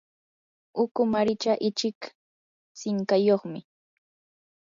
ukumaricha ichik sinqayuqmi.